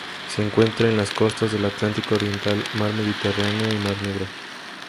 Se encuentra en las costas del Atlántico oriental, mar Mediterráneo y mar Negro.